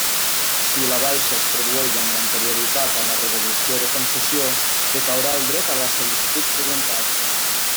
Si la baixa es produeix amb anterioritat a la resolució de concessió, decaurà el dret a la sol·licitud presentada.